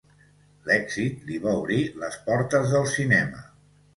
L'èxit li va obrir les portes del cinema.